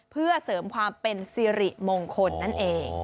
เพื่อเสริมความเป็นสิริมงคลนั่นเอง